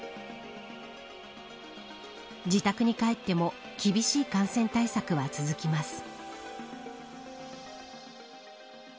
自宅に帰っても厳しい感染対策は続きます。